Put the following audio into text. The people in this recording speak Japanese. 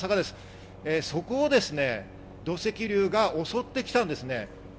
そこを土石流が襲ってきたんです。